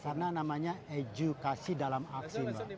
karena namanya edukasi dalam aksi mbak